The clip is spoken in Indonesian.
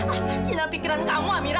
apa sih dah pikiran kamu amira